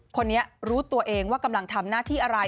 คนนี้รู้ตัวเองว่ากำลังทำหน้าที่อะไร